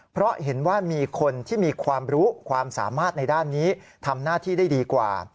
เพราะเห็นว่ามีคนที่มีความรู้ความสามารถในด้านนี้ทำหน้าที่ได้ดีกว่า